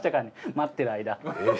待ってる間。